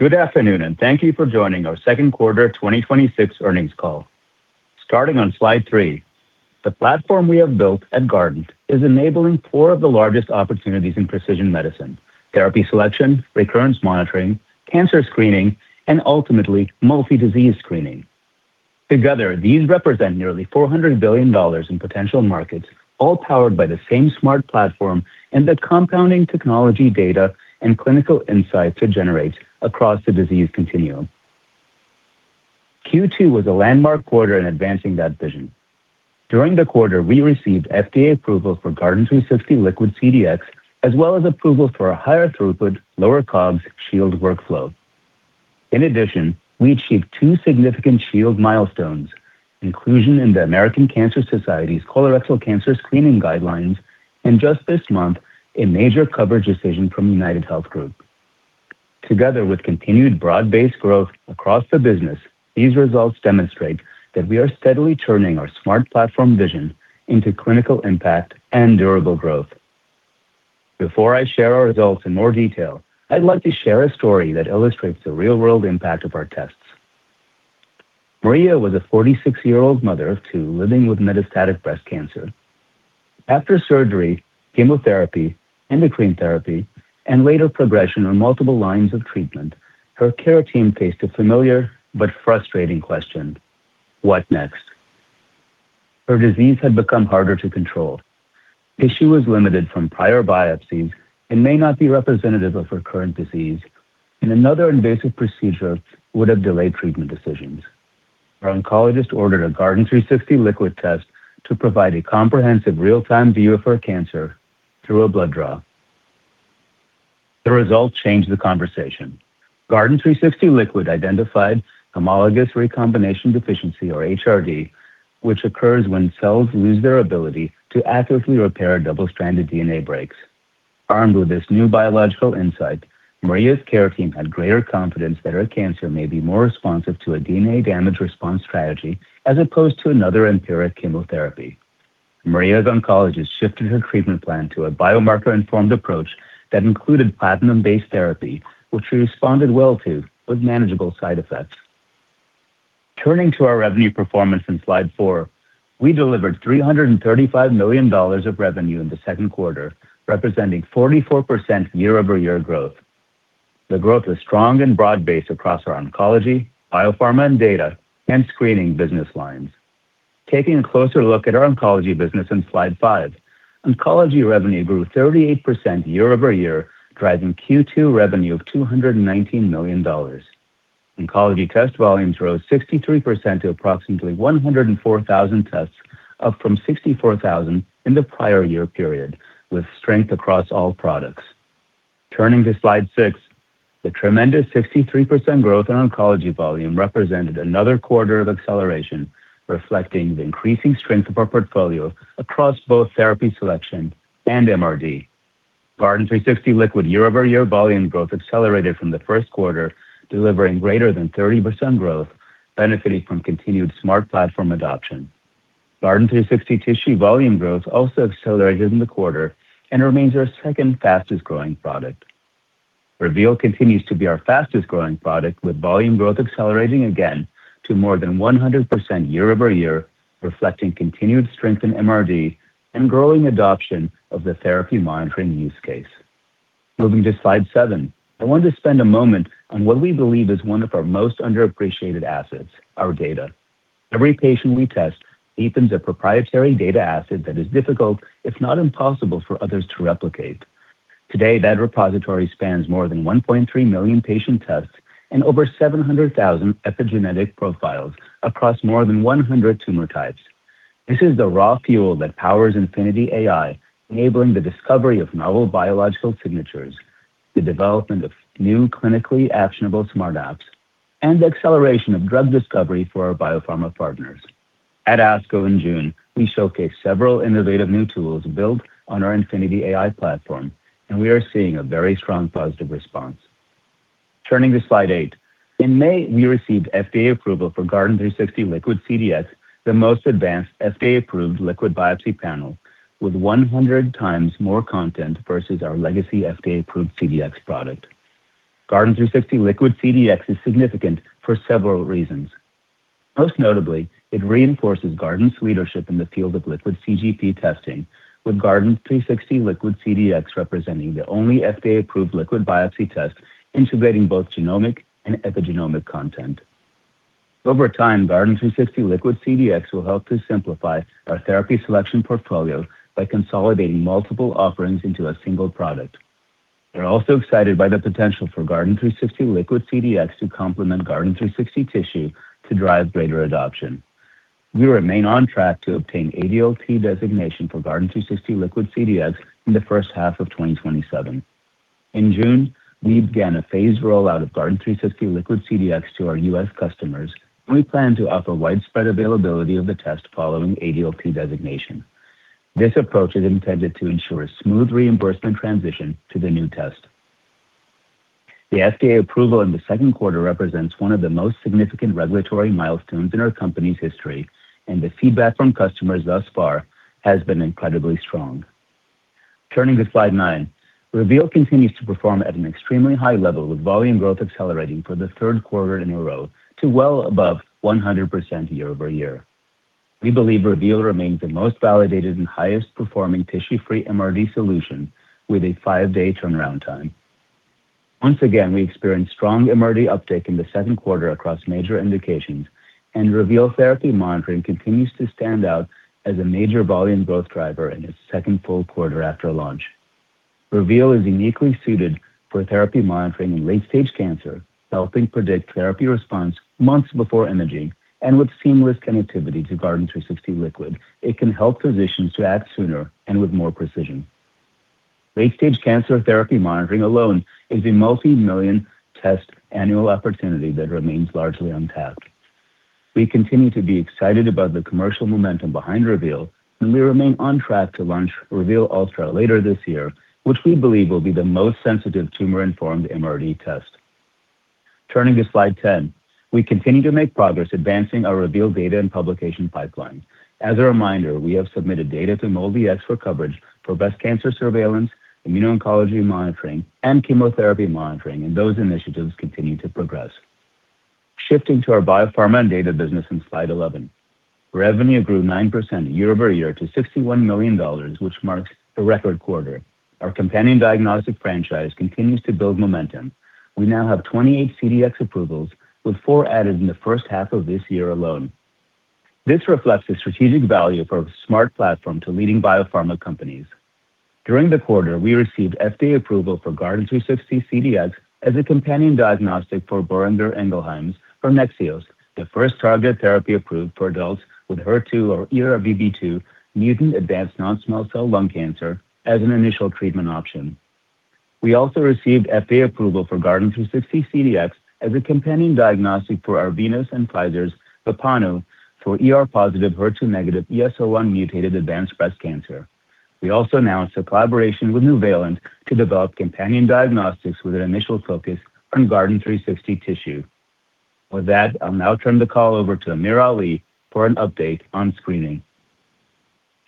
Good afternoon. Thank you for joining our Q2 2026 earnings call. Starting on slide three, the platform we have built at Guardant is enabling four of the largest opportunities in precision medicine: therapy selection, recurrence monitoring, cancer screening, and ultimately, multi-disease screening. Together, these represent nearly $400 billion in potential markets, all powered by the same Smart Platform and the compounding technology data and clinical insights it generates across the disease continuum. Q2 was a landmark quarter in advancing that vision. During the quarter, we received FDA approval for Guardant360 Liquid CDx, as well as approval for a higher throughput, lower COGS Shield workflow. In addition, we achieved two significant Shield milestones, inclusion in the American Cancer Society's colorectal cancer screening guidelines, and just this month, a major coverage decision from UnitedHealth Group. Together with continued broad-based growth across the business, these results demonstrate that we are steadily turning our Smart Platform vision into clinical impact and durable growth. Before I share our results in more detail, I'd like to share a story that illustrates the real-world impact of our tests. Maria was a 46-year-old mother of two living with metastatic breast cancer. After surgery, chemotherapy, endocrine therapy, and later progression on multiple lines of treatment, her care team faced a familiar but frustrating question. What next? Her disease had become harder to control. Tissue was limited from prior biopsies and may not be representative of her current disease. Another invasive procedure would have delayed treatment decisions. Her oncologist ordered a Guardant360 Liquid test to provide a comprehensive real-time view of her cancer through a blood draw. The results changed the conversation. Guardant360 Liquid identified homologous recombination deficiency, or HRD, which occurs when cells lose their ability to accurately repair double-stranded DNA breaks. Armed with this new biological insight, Maria's care team had greater confidence that her cancer may be more responsive to a DNA damage response strategy as opposed to another empiric chemotherapy. Maria's oncologist shifted her treatment plan to a biomarker-informed approach that included platinum-based therapy, which she responded well to with manageable side effects. Turning to our revenue performance on slide four, we delivered $335 million of revenue in the Q2, representing 44% year-over-year growth. The growth was strong and broad-based across our oncology, Biopharma and data, and screening business lines. Taking a closer look at our oncology business on slide five, oncology revenue grew 38% year-over-year, driving Q2 revenue of $219 million. Oncology test volumes rose 63% to approximately 104,000 tests, up from 64,000 in the prior year period, with strength across all products. Turning to slide six, the tremendous 63% growth in oncology volume represented another quarter of acceleration, reflecting the increasing strength of our portfolio across both therapy selection and MRD. Guardant360 Liquid year-over-year volume growth accelerated from the Q1, delivering greater than 30% growth, benefiting from continued Smart Platform adoption. Guardant360 Tissue volume growth also accelerated in the quarter and remains our second fastest-growing product. Reveal continues to be our fastest-growing product, with volume growth accelerating again to more than 100% year-over-year, reflecting continued strength in MRD and growing adoption of the therapy monitoring use case. Moving to slide seven, I wanted to spend a moment on what we believe is one of our most underappreciated assets, our data. Every patient we test deepens a proprietary data asset that is difficult, if not impossible, for others to replicate. Today, that repository spans more than 1.3 million patient tests and over 700,000 epigenetic profiles across more than 100 tumor types. This is the raw fuel that powers InfinityAI, enabling the discovery of novel biological signatures, the development of new clinically actionable Smart Apps, and the acceleration of drug discovery for our Biopharma partners. At ASCO in June, we showcased several innovative new tools built on our InfinityAI platform, and we are seeing a very strong positive response. Turning to slide eight. In May, we received FDA approval for Guardant360 Liquid CDx, the most advanced FDA-approved liquid biopsy panel, with 100x more content versus our legacy FDA-approved CDx product. Guardant360 Liquid CDx is significant for several reasons. Most notably, it reinforces Guardant's leadership in the field of liquid CGP testing, with Guardant360 Liquid CDx representing the only FDA-approved liquid biopsy test integrating both genomic and epigenomic content. Over time, Guardant360 Liquid CDx will help to simplify our therapy selection portfolio by consolidating multiple offerings into a single product. We are also excited by the potential for Guardant360 Liquid CDx to complement Guardant360 Tissue to drive greater adoption. We remain on track to obtain ADLT designation for Guardant360 Liquid CDx in the H1 of 2027. In June, we began a phased rollout of Guardant360 Liquid CDx to our U.S. customers, and we plan to offer widespread availability of the test following ADLT designation. This approach is intended to ensure a smooth reimbursement transition to the new test. The FDA approval in the Q2 represents one of the most significant regulatory milestones in our company's history, and the feedback from customers thus far has been incredibly strong. Turning to slide nine. Reveal continues to perform at an extremely high level, with volume growth accelerating for the Q3 in a row to well above 100% year-over-year. We believe Reveal remains the most validated and highest performing tissue-free MRD solution with a five-day turnaround time. Once again, we experienced strong MRD uptake in the Q2 across major indications, and Reveal therapy monitoring continues to stand out as a major volume growth driver in its second full quarter after launch. Reveal is uniquely suited for therapy monitoring in late-stage cancer, helping predict therapy response months before imaging, and with seamless connectivity to Guardant360 Liquid. It can help physicians to act sooner and with more precision. Late-stage cancer therapy monitoring alone is a multimillion test annual opportunity that remains largely untapped. We continue to be excited about the commercial momentum behind Reveal, and we remain on track to launch Reveal Ultra later this year, which we believe will be the most sensitive tumor-informed MRD test. Turning to slide 10. We continue to make progress advancing our Reveal data and publication pipeline. As a reminder, we have submitted data to MolDX for coverage for breast cancer surveillance, immuno-oncology monitoring, and chemotherapy monitoring, and those initiatives continue to progress. Shifting to our Biopharma and data business in slide 11. Revenue grew 9% year-over-year to $61 million, which marks a record quarter. Our companion diagnostic franchise continues to build momentum. We now have 28 CDx approvals, with four added in the H1 of this year alone. This reflects the strategic value of our Smart Platform to leading biopharma companies. During the quarter, we received FDA approval for Guardant360 CDx as a companion diagnostic for Boehringer Ingelheim's HERNEXEOS, the first targeted therapy approved for adults with HER2 or ERBB2 mutant advanced non-small cell lung cancer as an initial treatment option. We also received FDA approval for Guardant360 CDx as a companion diagnostic for Arvinas and Pfizer's VEPPANU for ER-positive, HER2-negative, ESR1 mutated advanced breast cancer. We also announced a collaboration with Nuvalent to develop companion diagnostics with an initial focus on Guardant360 Tissue. With that, I'll now turn the call over to AmirAli for an update on screening.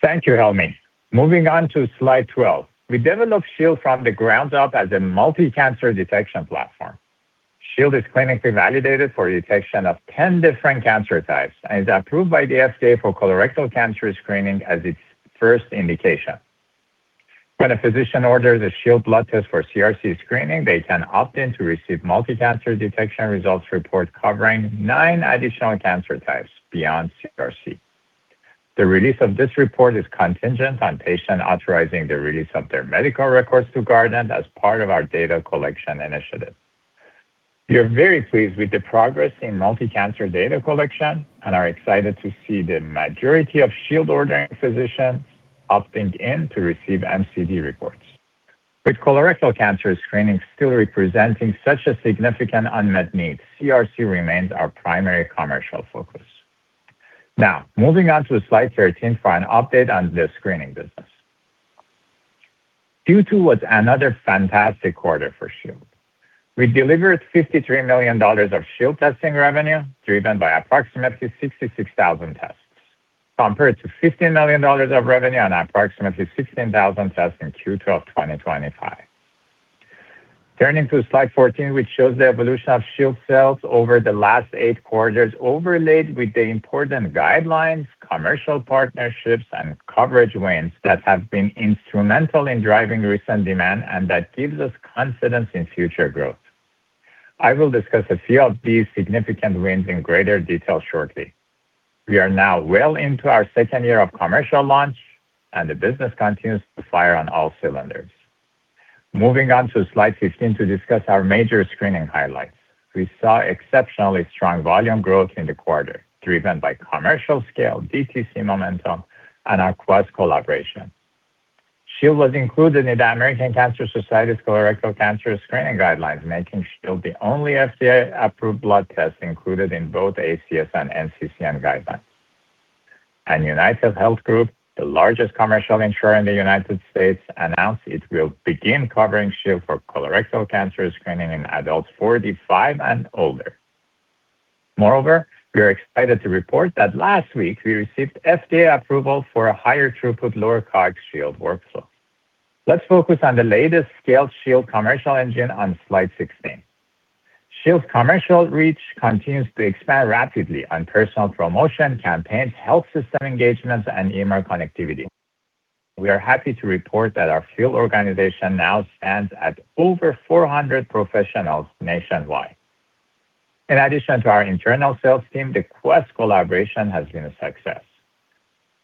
Thank you, Helmy. Moving on to slide 12. We developed Shield from the ground up as a multi-cancer detection platform. Shield is clinically validated for detection of 10 different cancer types and is approved by the FDA for colorectal cancer screening as its first indication. When a physician orders a Shield blood test for CRC screening, they can opt in to receive multi-cancer detection results report covering nine additional cancer types beyond CRC. The release of this report is contingent on patient authorizing the release of their medical records to Guardant as part of our data collection initiative. We are very pleased with the progress in multi-cancer data collection and are excited to see the majority of Shield ordering physicians opting in to receive MCD reports. With colorectal cancer screening still representing such a significant unmet need, CRC remains our primary commercial focus. Now, moving on to slide 13 for an update on the screening business. Q2 was another fantastic quarter for Shield. We delivered $53 million of Shield testing revenue, driven by approximately 66,000 tests, compared to $15 million of revenue on approximately 16,000 tests in Q2 of 2025. Turning to slide 14, which shows the evolution of Shield sales over the last eight quarters, overlaid with the important guidelines, commercial partnerships, and coverage wins that have been instrumental in driving recent demand and that gives us confidence in future growth. I will discuss a few of these significant wins in greater detail shortly. We are now well into our second year of commercial launch, and the business continues to fire on all cylinders. Moving on to slide 15 to discuss our major screening highlights. We saw exceptionally strong volume growth in the quarter, driven by commercial scale, DTC momentum, and our Quest Diagnostics collaboration. Shield was included in the American Cancer Society's Colorectal Cancer Screening Guidelines, making Shield the only FDA-approved blood test included in both ACS and NCCN guidelines. UnitedHealth Group, the largest commercial insurer in the United States, announced it will begin covering Shield for colorectal cancer screening in adults 45 and older. Moreover, we are excited to report that last week we received FDA approval for a higher throughput, lower COGS Shield workflow. Let's focus on the latest scaled Shield commercial engine on slide 16. Shield's commercial reach continues to expand rapidly on personal promotion campaigns, health system engagements, and EMR connectivity. We are happy to report that our field organization now stands at over 400 professionals nationwide. In addition to our internal sales team, the Quest collaboration has been a success.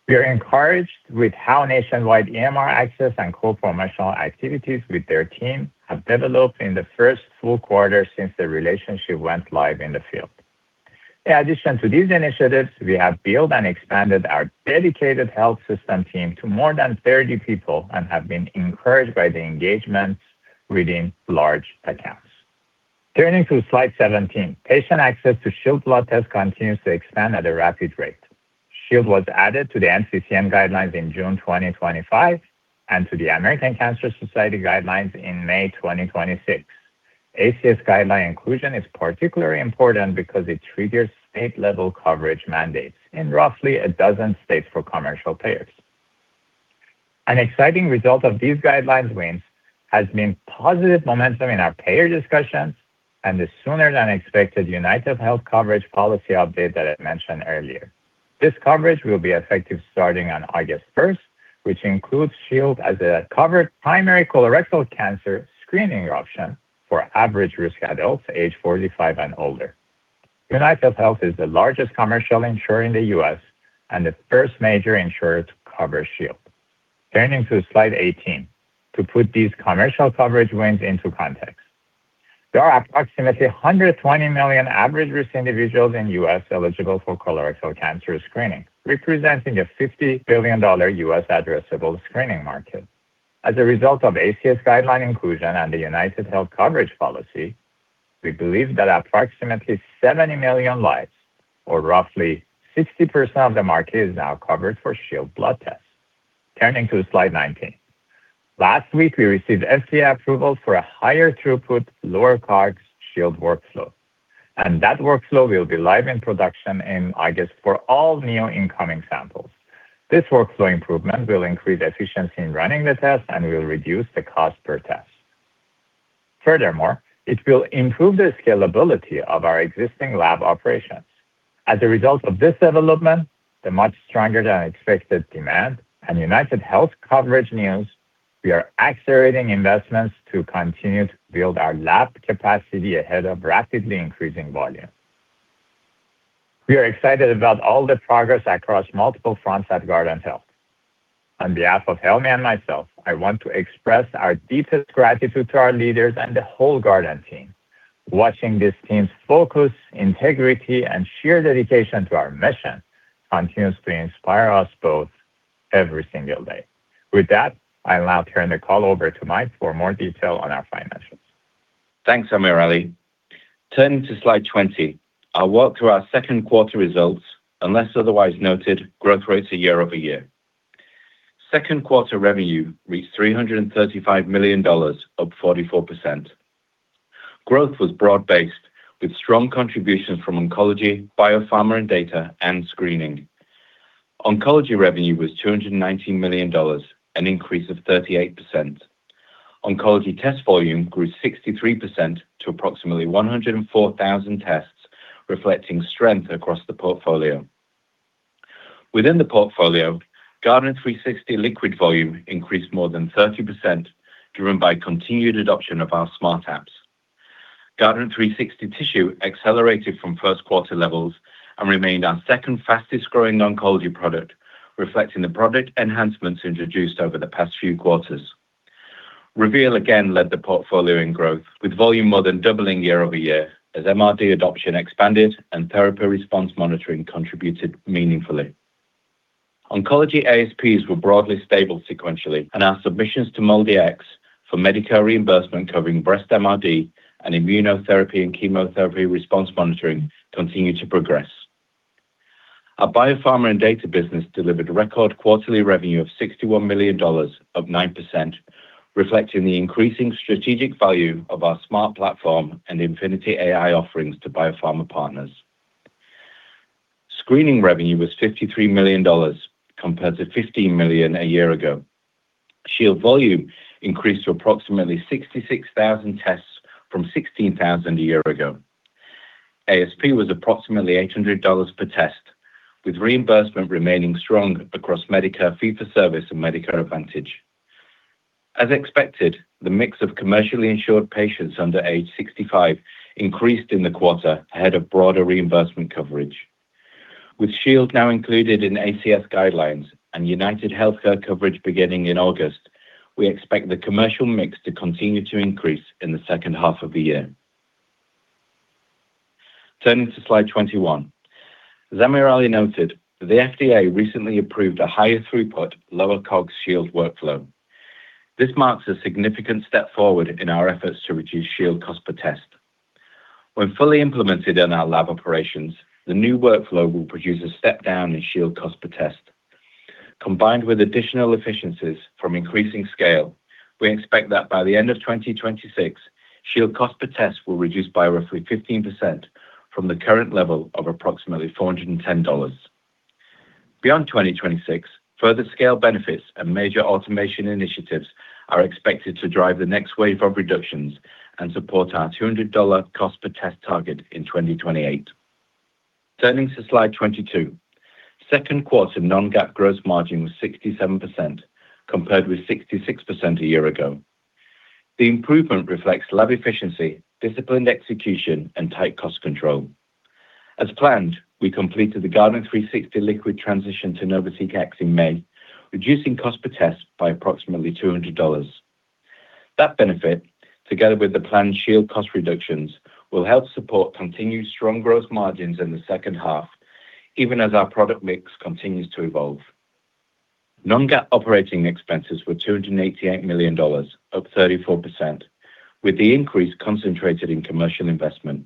We are encouraged with how nationwide EMR access and co-promotional activities with their team have developed in the first full quarter since the relationship went live in the field. In addition to these initiatives, we have built and expanded our dedicated health system team to more than 30 people and have been encouraged by the engagement within large accounts. Turning to slide 17. Patient access to Shield blood test continues to expand at a rapid rate. Shield was added to the NCCN guidelines in June 2025 and to the American Cancer Society guidelines in May 2026. ACS guideline inclusion is particularly important because it triggers state-level coverage mandates in roughly a dozen states for commercial payers. An exciting result of these guidelines wins has been positive momentum in our payer discussions and the sooner than expected UnitedHealth coverage policy update that I mentioned earlier. This coverage will be effective starting on August 1st, which includes Shield as a covered primary colorectal cancer screening option for average-risk adults age 45 and older. UnitedHealth is the largest commercial insurer in the U.S. and the first major insurer to cover Shield. Turning to slide 18. To put these commercial coverage wins into context, there are approximately 120 million average-risk individuals in U.S. eligible for colorectal cancer screening, representing a $50 billion U.S. addressable screening market. As a result of ACS guideline inclusion and the UnitedHealth coverage policy, we believe that approximately 70 million lives or roughly 60% of the market is now covered for Shield blood tests. Turning to slide 19. Last week, we received FDA approval for a higher throughput, lower COGS Shield workflow, that workflow will be live in production in August for all new incoming samples. This workflow improvement will increase efficiency in running the test and will reduce the cost per test. Furthermore, it will improve the scalability of our existing lab operations. As a result of this development, the much stronger than expected demand and UnitedHealth coverage news, we are accelerating investments to continue to build our lab capacity ahead of rapidly increasing volume. We are excited about all the progress across multiple fronts at Guardant Health. On behalf of Helmy and myself, I want to express our deepest gratitude to our leaders and the whole Guardant team. Watching this team's focus, integrity, and sheer dedication to our mission continues to inspire us both every single day. With that, I now turn the call over to Michael for more detail on our financials. Thanks, AmirAli. Turning to slide 20, I'll walk through our Q2 results. Unless otherwise noted, growth rates are year-over-year. Q2 revenue reached $335 million, up 44%. Growth was broad-based with strong contributions from oncology, Biopharma and data, and screening. Oncology revenue was $219 million, an increase of 38%. Oncology test volume grew 63% to approximately 104,000 tests, reflecting strength across the portfolio. Within the portfolio, Guardant360 Liquid volume increased more than 30%, driven by continued adoption of our Smart Apps. Guardant360 Tissue accelerated from Q1 levels and remained our second fastest-growing oncology product, reflecting the product enhancements introduced over the past few quarters. Reveal again led the portfolio in growth with volume more than doubling year-over-year as MRD adoption expanded and therapy response monitoring contributed meaningfully. Oncology ASPs were broadly stable sequentially. Our submissions to MolDX for Medicare reimbursement covering breast MRD and immunotherapy and chemotherapy response monitoring continue to progress. Our pharmacogenomics and data business delivered record quarterly revenue of $61 million, up 9%, reflecting the increasing strategic value of our Smart Platform and InfinityAI offerings to biopharma partners. Screening revenue was $53 million compared to $15 million a year ago. Shield volume increased to approximately 66,000 tests from 16,000 a year ago. ASP was approximately $800 per test, with reimbursement remaining strong across Medicare fee-for-service and Medicare Advantage. As expected, the mix of commercially insured patients under age 65 increased in the quarter ahead of broader reimbursement coverage. With Shield now included in ACS guidelines and UnitedHealthcare coverage beginning in August, we expect the commercial mix to continue to increase in the H2 of the year. Turning to slide 21. As AmirAli noted, the FDA recently approved a higher throughput, lower COGS Shield workflow. This marks a significant step forward in our efforts to reduce Shield cost per test. When fully implemented in our lab operations, the new workflow will produce a step down in Shield cost per test. Combined with additional efficiencies from increasing scale, we expect that by the end of 2026, Shield cost per test will reduce by roughly 15% from the current level of approximately $410. Beyond 2026, further scale benefits and major automation initiatives are expected to drive the next wave of reductions and support our $200 cost per test target in 2028. Turning to slide 22. Q2 non-GAAP gross margin was 67% compared with 66% a year ago. The improvement reflects lab efficiency, disciplined execution, and tight cost control. As planned, we completed the Guardant360 Liquid transition to NovaSeq X in May, reducing cost per test by approximately $200. That benefit, together with the planned Shield cost reductions, will help support continued strong growth margins in the H2, even as our product mix continues to evolve. Non-GAAP operating expenses were $288 million, up 34%, with the increase concentrated in commercial investment.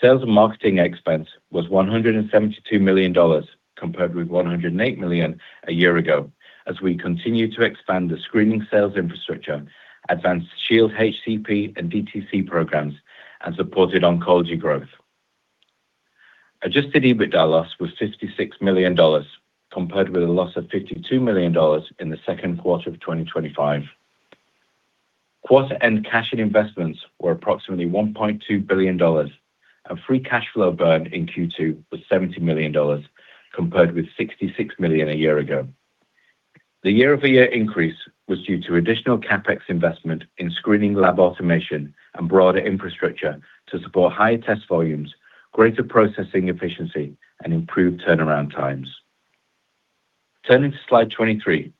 Sales and marketing expense was $172 million, compared with $108 million a year ago, as we continue to expand the screening sales infrastructure, advance Shield HCP and DTC programs, and supported oncology growth. Adjusted EBITDA loss was $56 million, compared with a loss of $52 million in the Q2 of 2025. Quarter end cash and investments were approximately $1.2 billion, and free cash flow burn in Q2 was $70 million, compared with $66 million a year ago. The year-over-year increase was due to additional CapEx investment in screening lab automation and broader infrastructure to support higher test volumes, greater processing efficiency, and improved turnaround times. Turning to slide 23.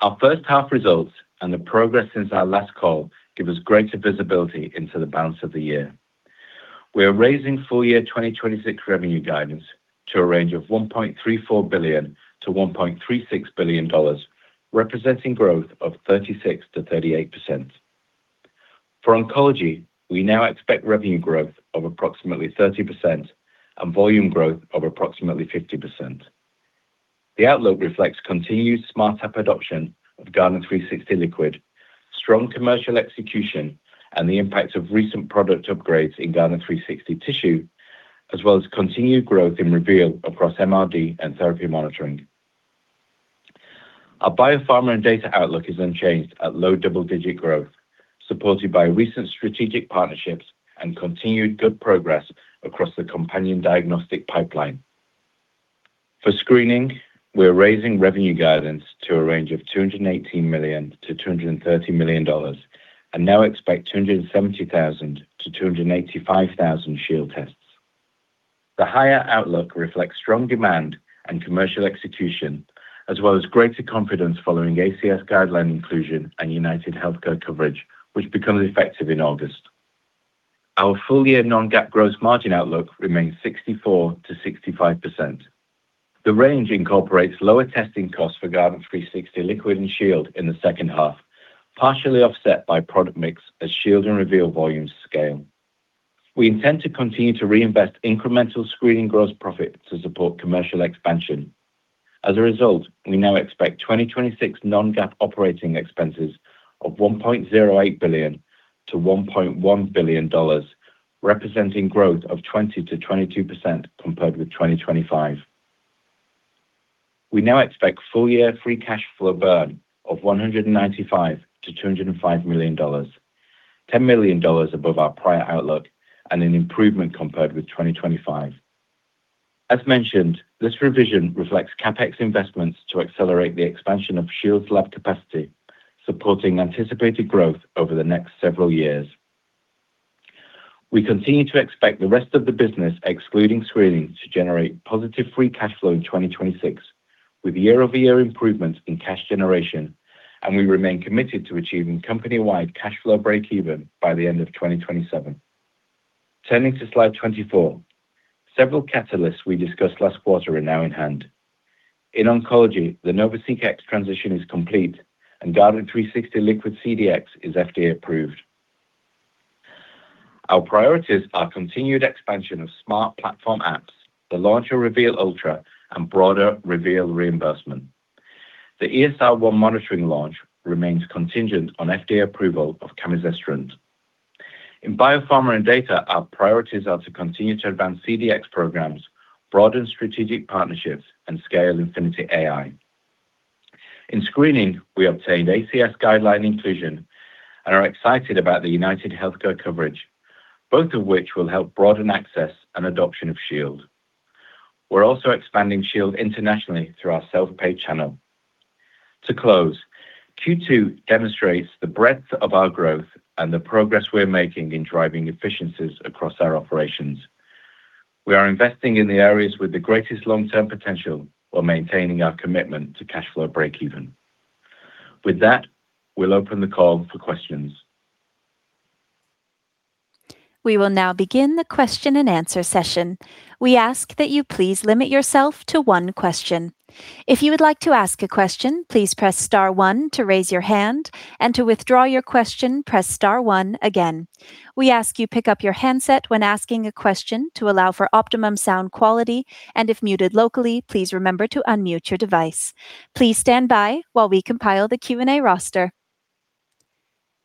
Our H1 results and the progress since our last call give us greater visibility into the balance of the year. We are raising full year 2026 revenue guidance to a range of $1.34 billion-$1.36 billion, representing growth of 36%-38%. For oncology, we now expect revenue growth of approximately 30% and volume growth of approximately 50%. The outlook reflects continued Smart App adoption of Guardant360 Liquid, strong commercial execution, and the impact of recent product upgrades in Guardant360 Tissue, as well as continued growth in Reveal across MRD and therapy monitoring. Our biopharma and data outlook is unchanged at low double-digit growth, supported by recent strategic partnerships and continued good progress across the companion diagnostic pipeline. For screening, we are raising revenue guidance to a range of $218 million-$230 million and now expect 270,000-285,000 Shield tests. The higher outlook reflects strong demand and commercial execution, as well as greater confidence following ACS guideline inclusion and UnitedHealthcare coverage, which becomes effective in August. Our full-year non-GAAP gross margin outlook remains 64%-65%. The range incorporates lower testing costs for Guardant360 Liquid and Shield in the H2, partially offset by product mix as Shield and Reveal volumes scale. We intend to continue to reinvest incremental screening gross profit to support commercial expansion. As a result, we now expect 2026 non-GAAP operating expenses of $1.08 billion-$1.1 billion, representing growth of 20%-22% compared with 2025. We now expect full year free cash flow burn of $195 million-$205 million, $10 million above our prior outlook and an improvement compared with 2025. As mentioned, this revision reflects CapEx investments to accelerate the expansion of Shield’s lab capacity, supporting anticipated growth over the next several years. We continue to expect the rest of the business, excluding screening, to generate positive free cash flow in 2026, with year-over-year improvements in cash generation, and we remain committed to achieving company-wide cash flow breakeven by the end of 2027. Turning to slide 24. Several catalysts we discussed last quarter are now in hand. In oncology, the NovaSeq X transition is complete, and Guardant360 Liquid CDx is FDA approved. Our priorities are continued expansion of Smart Platform apps, the launch of Reveal Ultra, and broader Reveal reimbursement. The ESR1 monitoring launch remains contingent on FDA approval of camizestrant. In biopharma and data, our priorities are to continue to advance CDx programs, broaden strategic partnerships, and scale InfinityAI. In screening, we obtained ACS guideline inclusion and are excited about the UnitedHealthcare coverage, both of which will help broaden access and adoption of Shield. We're also expanding Shield internationally through our self-pay channel. To close, Q2 demonstrates the breadth of our growth and the progress we're making in driving efficiencies across our operations. We are investing in the areas with the greatest long-term potential while maintaining our commitment to cash flow breakeven. With that, we'll open the call for questions. We will now begin the question and answer session. We ask that you please limit yourself to one question. If you would like to ask a question, please press star one to raise your hand, and to withdraw your question, press star one again. We ask you pick up your handset when asking a question to allow for optimum sound quality, and if muted locally, please remember to unmute your device. Please stand by while we compile the Q&A roster.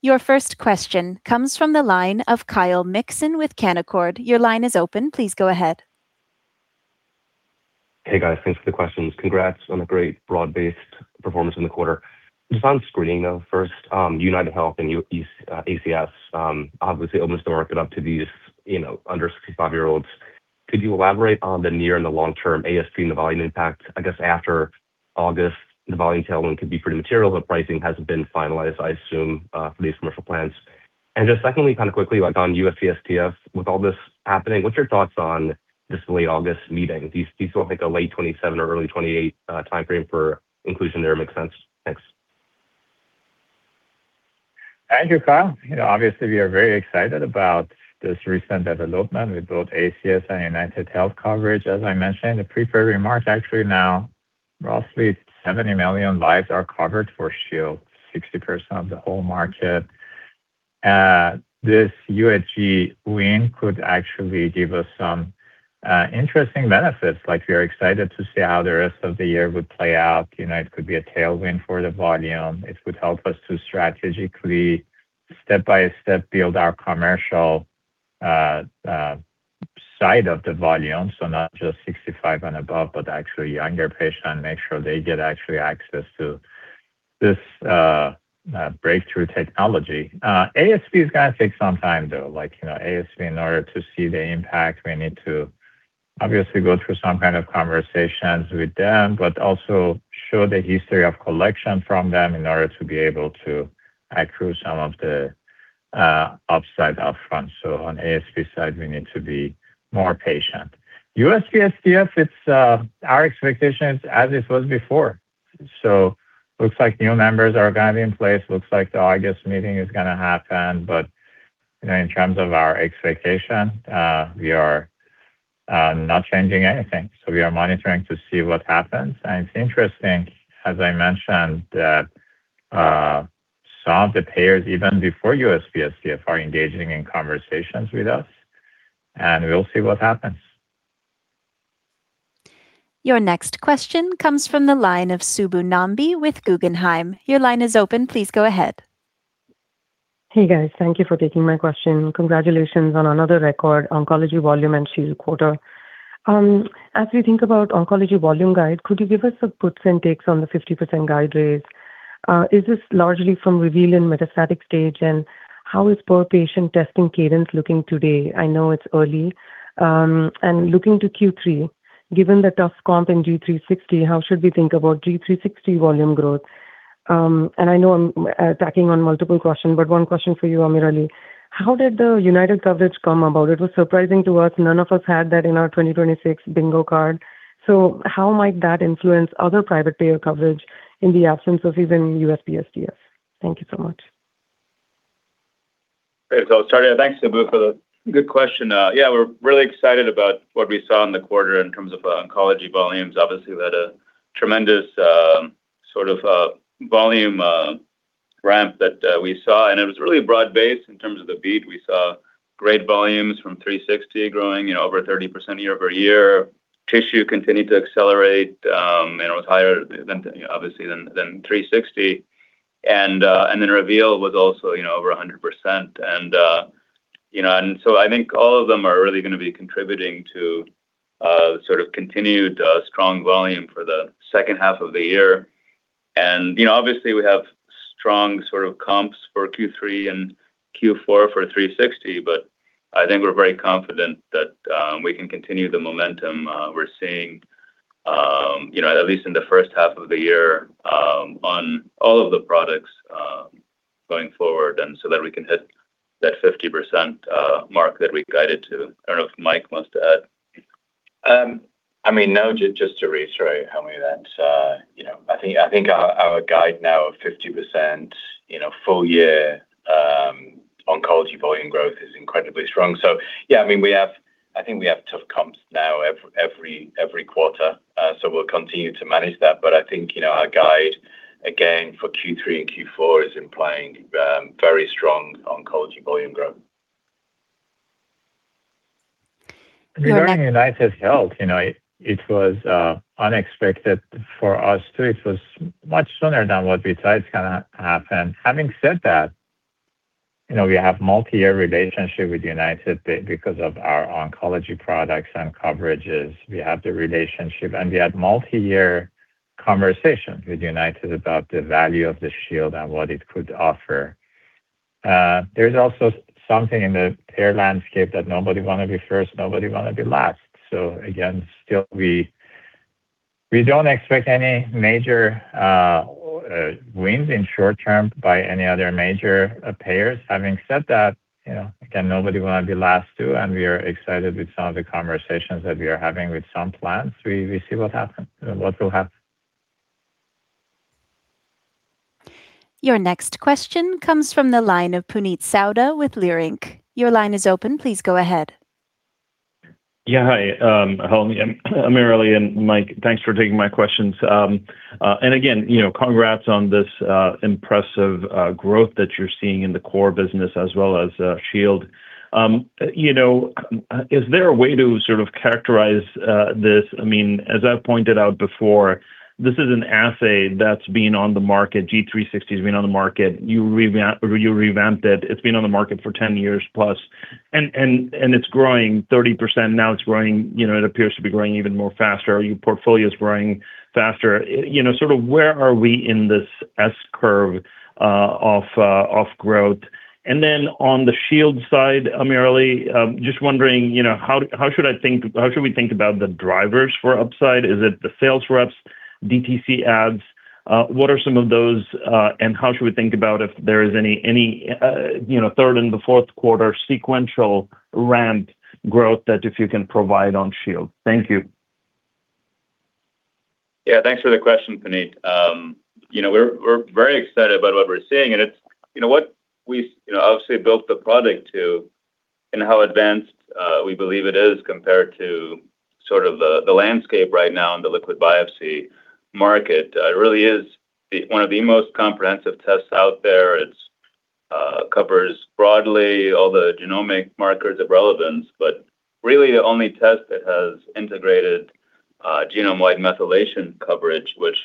Your first question comes from the line of Kyle Mikson with Canaccord. Your line is open. Please go ahead. Hey, guys. Thanks for the questions. Congrats on the great broad-based performance in the quarter. Just on screening, though, first, United Health and ACS obviously opens the market up to these under 65-year-olds. Could you elaborate on the near and the long-term ASP and the volume impact? I guess after August, the volume tailwind could be pretty material, but pricing hasn't been finalized, I assume, for these commercial plans. Secondly, kind of quickly, on USPSTF, with all this happening, what's your thoughts on this late August meeting? Do you still think a late 2027 or early 2028 timeframe for inclusion there makes sense? Thanks. Thank you, Kyle Mikson. Obviously, we are very excited about this recent development with both ACS and United Health coverage. As I mentioned in the prepared remarks, actually now Roughly 70 million lives are covered for Shield, 60% of the whole market. This UHG win could actually give us some interesting benefits. We are excited to see how the rest of the year would play out. It could be a tailwind for the volume. It would help us to strategically, step-by-step, build our commercial side of the volume, so not just 65 and above, but actually younger patient, make sure they get actually access to this breakthrough technology. ASP is going to take some time, though. ASP, in order to see the impact, we need to obviously go through some kind of conversations with them, but also show the history of collection from them in order to be able to accrue some of the upside up front. On ASP side, we need to be more patient. USPSTF, our expectation is as it was before. Looks like new members are going to be in place. Looks like the August meeting is going to happen. In terms of our expectation, we are not changing anything. We are monitoring to see what happens. It's interesting, as I mentioned, that some of the payers, even before USPSTF, are engaging in conversations with us, and we'll see what happens. Your next question comes from the line of Subbu Nambi with Guggenheim. Your line is open. Please go ahead. Hey, guys. Thank you for taking my question. Congratulations on another record oncology volume and Shield quarter. As we think about oncology volume guide, could you give us a puts and takes on the 50% guide raise? Is this largely from Reveal and metastatic stage, and how is per-patient testing cadence looking today? I know it's early. Looking to Q3, given the tough comp in G360, how should we think about G360 volume growth? I know I'm tacking on multiple question, but one question for you, AmirAli. How did the United coverage come about? It was surprising to us. None of us had that in our 2026 bingo card. How might that influence other private payer coverage in the absence of even USPSTF? Thank you so much. Great. I'll start. Thanks, Subbu, for the good question. Yeah. We're really excited about what we saw in the quarter in terms of oncology volumes. Obviously, we had a tremendous sort of volume ramp that we saw, and it was really broad-based in terms of the beat. We saw great volumes from 360 growing over 30% year-over-year. Tissue continued to accelerate, and it was higher obviously than 360. Then Reveal was also over 100%. I think all of them are really going to be contributing to sort of continued strong volume for the H2 of the year. Obviously, we have strong sort of comps for Q3 and Q4 for 360. I think we're very confident that we can continue the momentum we're seeing at least in the H1 of the year on all of the products going forward, so that we can hit that 50% mark that we guided to. I don't know if Michael wants to add. No, just to reiterate. I think our guide now of 50% full-year oncology volume growth is incredibly strong. Yeah, I think we have tough comps now every quarter, so we'll continue to manage that. I think our guide, again, for Q3 and Q4 is implying very strong oncology volume growth. Regarding UnitedHealth, it was unexpected for us, too. It was much sooner than what we thought it's going to happen. Having said that, we have multi-year relationship with United because of our oncology products and coverages. We have the relationship, and we had multi-year conversations with United about the value of the Shield and what it could offer. There's also something in the payer landscape that nobody want to be first, nobody want to be last. Again, still we don't expect any major wins in short term by any other major payers. Having said that, again, nobody want to be last, too, and we are excited with some of the conversations that we are having with some plans. We see what will happen. Your next question comes from the line of Puneet Souda with Leerink. Your line is open. Please go ahead. Yeah. Hi, Helmy, AmirAli Talasaz, and Michael. Thanks for taking my questions. Again, congrats on this impressive growth that you're seeing in the core business as well as Shield. Is there a way to sort of characterize this? As I've pointed out before, this is an assay that's been on the market. Guardant360's been on the market. You revamped it. It's been on the market for 10 years+, and it's growing 30%. Now it appears to be growing even more faster. Your portfolio's growing faster. Sort of where are we in this S-curve of growth? Then on the Shield side, AmirAli Talasaz, just wondering, how should we think about the drivers for upside? Is it the sales reps, DTC ads? What are some of those, how should we think about if there is any third and Q4 sequential ramp growth that if you can provide on Shield? Thank you. Yeah. Thanks for the question, Puneet. We're very excited about what we're seeing, and what we obviously built the product to, and how advanced we believe it is compared to sort of the landscape right now in the liquid biopsy market. It really is one of the most comprehensive tests out there. It covers broadly all the genomic markers of relevance, but really the only test that has integrated genome-wide methylation coverage, which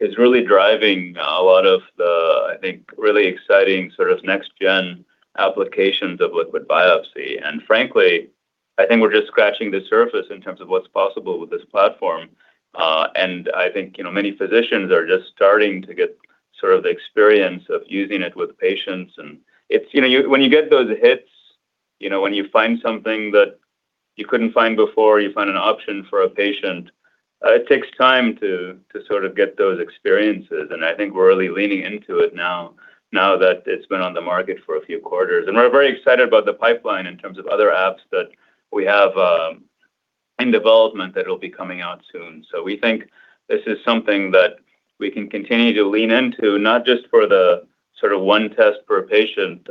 is really driving a lot of the, I think, really exciting sort of next-gen applications of liquid biopsy. Frankly, I think we're just scratching the surface in terms of what's possible with this platform. I think, many physicians are just starting to get sort of the experience of using it with patients. When you get those hits, when you find something that you couldn't find before, you find an option for a patient, it takes time to sort of get those experiences. I think we're really leaning into it now that it's been on the market for a few quarters. We're very excited about the pipeline in terms of other apps that we have in development that will be coming out soon. We think this is something that we can continue to lean into, not just for the sort of one test per patient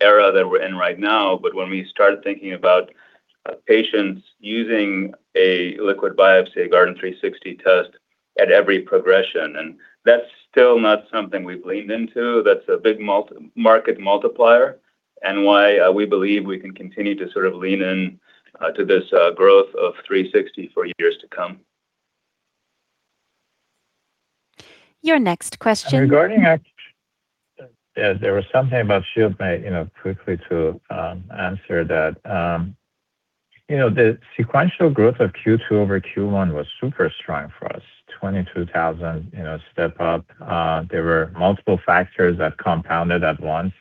era that we're in right now, but when we start thinking about patients using a liquid biopsy, a Guardant360 test at every progression. That's still not something we've leaned into. That's a big market multiplier and why we believe we can continue to sort of lean into this growth of Guardant360 for years to come. Your next question, Regarding that, there was something about Shield, quickly to answer that. The sequential growth of Q2 over Q1 was super strong for us, 22,000 step up. There were multiple factors that compounded at once.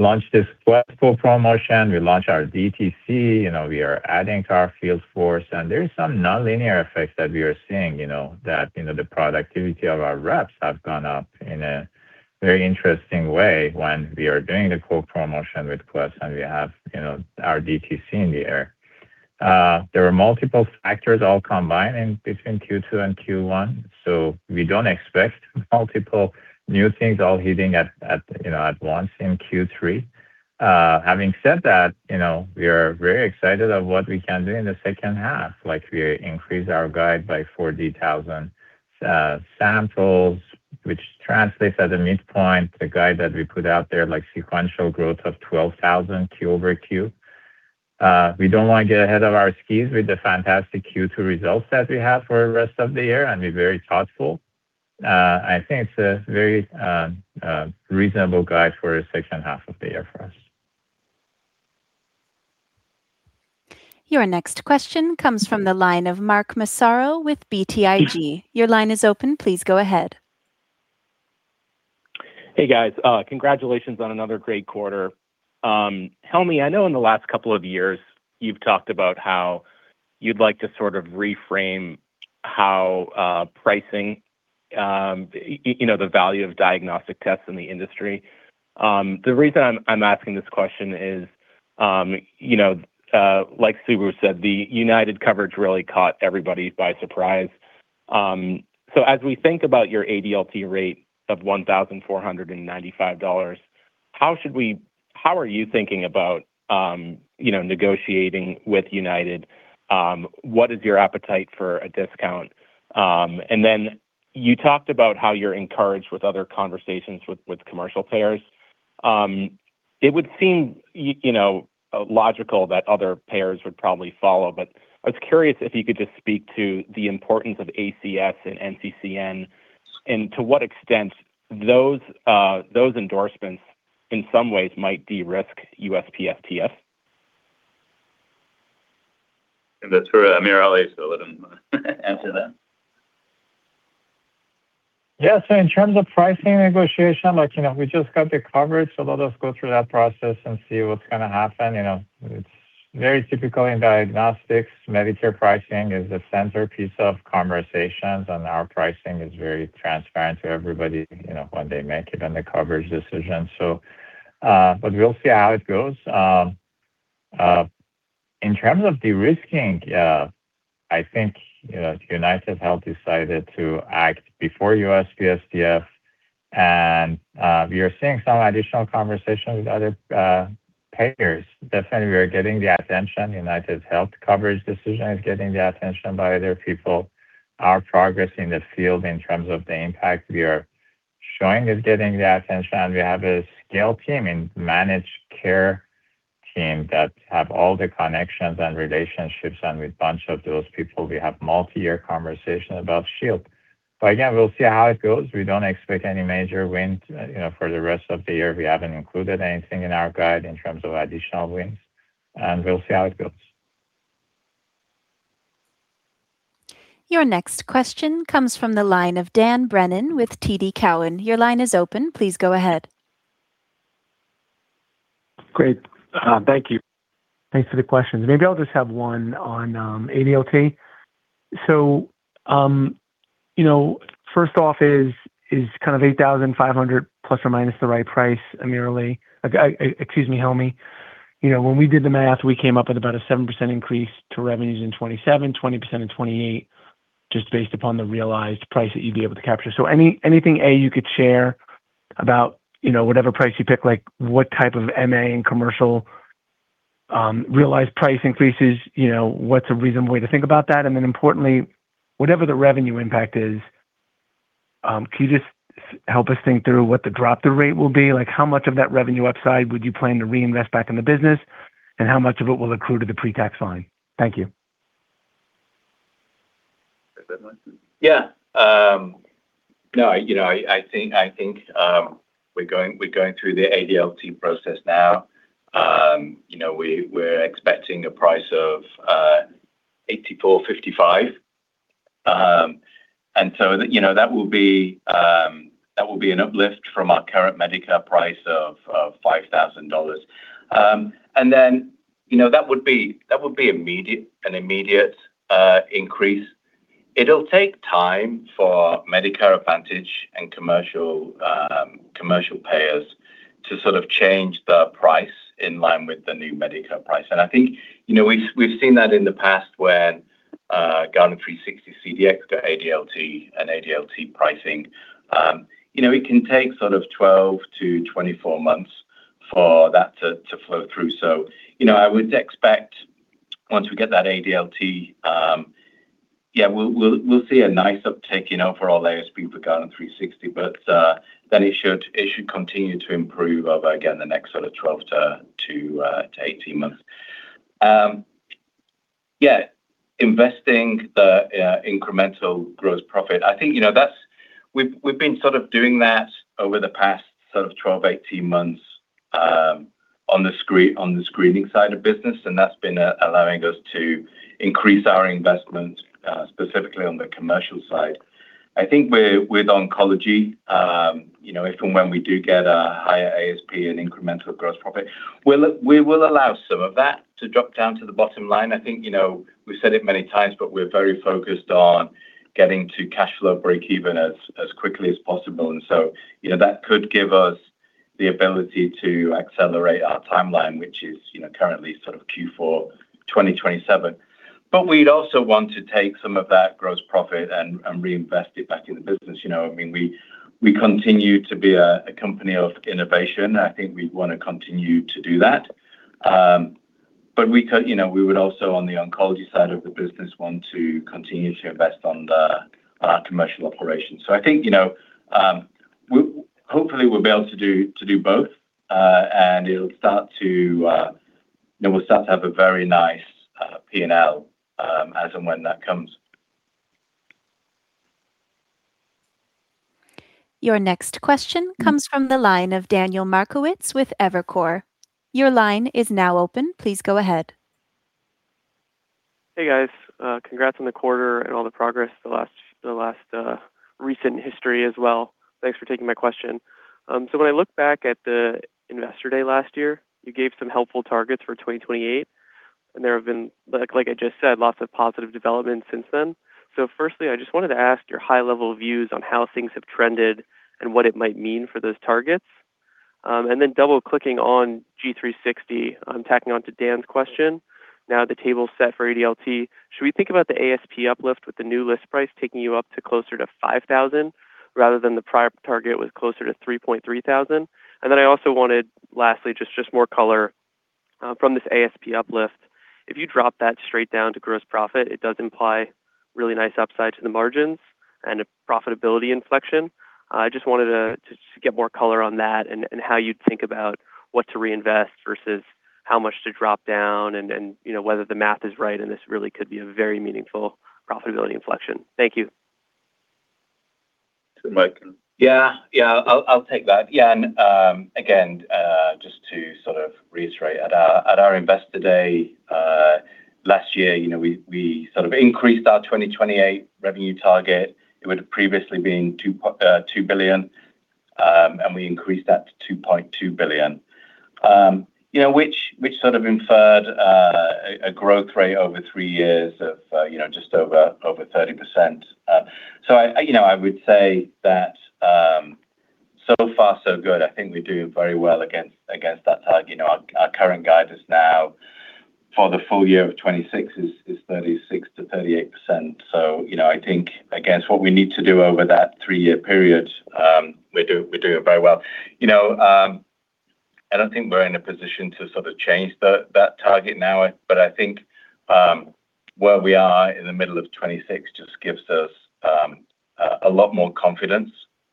We launched this Quest co-promotion, we launched our DTC, We are adding to our field force, and there is some nonlinear effects that we are seeing, that the productivity of our reps have gone up in a very interesting way when we are doing the co-promotion with Quest, and we have our DTC in the air. There were multiple factors all combining between Q2 and Q1, we don't expect multiple new things all hitting at once in Q3. Having said that, we are very excited of what we can do in the H2. Like, we increase our guide by 40,000 samples, which translates at the midpoint the guide that we put out there, like sequential growth of 12,000 Q over Q. We don't want to get ahead of our skis with the fantastic Q2 results that we have for the rest of the year, and be very thoughtful. I think it's a very reasonable guide for the H2 of the year for us. Your next question comes from the line of Mark Massaro with BTIG. Your line is open. Please go ahead. Hey, guys. Congratulations on another great quarter. Helmy, I know in the last couple of years you've talked about how you'd like to sort of reframe how pricing, the value of diagnostic tests in the industry. The reason I'm asking this question is like Subbu said, the United coverage really caught everybody by surprise. As we think about your ADLT rate of $1,495, how are you thinking about negotiating with United? What is your appetite for a discount? You talked about how you're encouraged with other conversations with commercial payers. It would seem logical that other payers would probably follow, but I was curious if you could just speak to the importance of ACS and NCCN, and to what extent those endorsements in some ways might de-risk USPSTF. That's for AmirAli, let him answer that. Yeah, in terms of pricing negotiation, we just got the coverage, let us go through that process and see what's going to happen. It's very typical in diagnostics. Medicare pricing is the centerpiece of conversations, and our pricing is very transparent to everybody, when they make it on the coverage decision. We'll see how it goes. In terms of de-risking, I think United Health decided to act before USPSTF, and we are seeing some additional conversation with other payers. Definitely, we are getting the attention. United Health coverage decision is getting the attention by their people. Our progress in the field in terms of the impact we are showing is getting the attention. We have a scale team and managed care team that have all the connections and relationships, and with bunch of those people, we have multi-year conversation about Shield. Again, we'll see how it goes. We don't expect any major wins for the rest of the year. We haven't included anything in our guide in terms of additional wins, and we'll see how it goes. Your next question comes from the line of Dan Brennan with TD Cowen. Your line is open. Please go ahead. Great. Thank you. Thanks for the question. First off is kind of 8,500± the right price, AmirAli? Excuse me, Helmy. When we did the math, we came up with about a 7% increase to revenues in 2027, 20% in 2028, just based upon the realized price that you'd be able to capture. Anything, A, you could share about whatever price you pick, what type of MA and commercial realized price increases, what's a reasonable way to think about that? And then importantly, whatever the revenue impact is, can you just help us think through what the drop-through rate will be? How much of that revenue upside would you plan to reinvest back in the business, and how much of it will accrue to the pre-tax line? Thank you. Is that Michael? We're going through the ADLT process now. We're expecting a price of $8,455. That will be an uplift from our current Medicare price of $5,000. That would be an immediate increase. It'll take time for Medicare Advantage and commercial payers to change the price in line with the new Medicare price. We've seen that in the past when Guardant360 CDx got ADLT and ADLT pricing. It can take 12-24 months for that to flow through. I would expect once we get that ADLT, we'll see a nice uptick for our ASP for Guardant360. It should continue to improve over the next sort of 12-18 months. Investing the incremental gross profit. We've been doing that over the past 12-18 months on the screening side of business. That's been allowing us to increase our investment, specifically on the commercial side. With oncology, if and when we do get a higher ASP and incremental gross profit, we will allow some of that to drop down to the bottom line. We've said it many times, but we're very focused on getting to cash flow breakeven as quickly as possible. That could give us the ability to accelerate our timeline, which is currently Q4 2027. We'd also want to take some of that gross profit and reinvest it back in the business. We continue to be a company of innovation, we want to continue to do that. We would also, on the oncology side of the business, want to continue to invest on our commercial operations. Hopefully we'll be able to do both, we'll start to have a very nice P&L as and when that comes. Your next question comes from the line of Daniel Markowitz with Evercore. Your line is now open. Please go ahead. Hey, guys. Congrats on the quarter and all the progress the last recent history as well. Thanks for taking my question. When I look back at the Investor Day last year, you gave some helpful targets for 2028, and there have been, like I just said, lots of positive developments since then. Firstly, I just wanted to ask your high-level views on how things have trended and what it might mean for those targets. Double-clicking on Guardant360, tacking on to Dan's question, now the table's set for ADLT. Should we think about the ASP uplift with the new list price taking you up to closer to $5,000 rather than the prior target was closer to $3,300? I also wanted, lastly, just more color from this ASP uplift. If you drop that straight down to gross profit, it does imply really nice upside to the margins and a profitability inflection. I just wanted to get more color on that and how you'd think about what to reinvest versus how much to drop down and whether the math is right, and this really could be a very meaningful profitability inflection. Thank you. To Michael. Yeah. I'll take that. Again, just to reiterate, at our Investor Day last year, we increased our 2028 revenue target. It would've previously been $2 billion, and we increased that to $2.2 billion, which sort of inferred a growth rate over three years of just over 30%. I would say that so far so good. I think we're doing very well against that target. Our current guide is now for the full year of 2026 is 36%-38%. I think against what we need to do over that three-year period, we're doing very well. I don't think we're in a position to change that target now, but I think where we are in the middle of 2026 just gives us a lot more confidence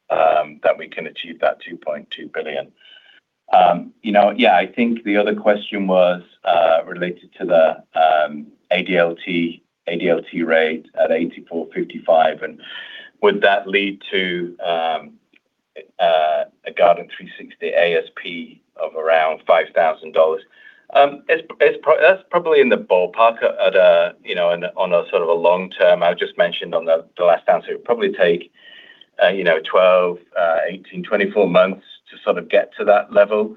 that we can achieve that $2.2 billion. I think the other question was related to the ADLT rate at $8,455, and would that lead to a Guardant360 ASP of around $5,000? That's probably in the ballpark on a long-term. I just mentioned on the last answer, it would probably take 12, 18, 24 months to get to that level.